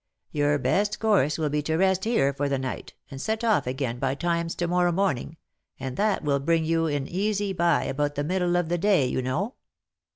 Your best course will be to rest here for the night, and set off again by times to mor row morning, and that will bring you in easy by about the middle of the day, you know."